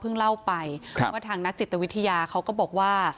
เมื่อวานนี้เราก็เพิ่งเล่าไปว่าทางนักจิตวิทยาเขาก็บอกว่า